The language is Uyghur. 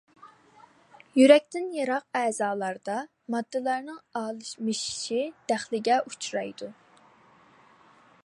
يۈرەكتىن يىراق ئەزالاردا ماددىلارنىڭ ئالمىشىشى دەخلىگە ئۇچرايدۇ.